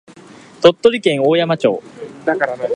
鳥取県大山町